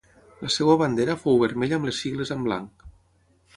La seva bandera fou vermella amb les sigles amb blanc.